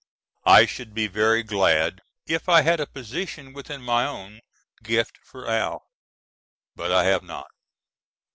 I should be very glad if I had a position within my own gift for Al. but I have not.